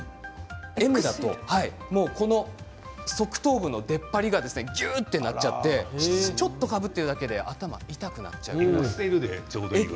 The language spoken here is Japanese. Ｍだと側頭部の出っ張りがぎゅっとなっちゃってちょっとかぶってるだけで頭痛くなっちゃいますね。